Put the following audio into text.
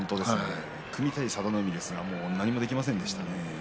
組みたい佐田の海ですが何もできませんでした。